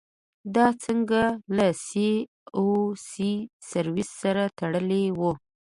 دا څانګه له سي او سي سرویسس سره تړلې وه.